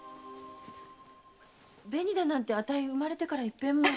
紅だなんてあたい生まれてからいっぺんも。